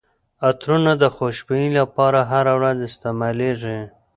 عطرونه د خوشبويي لپاره هره ورځ استعمالیږي.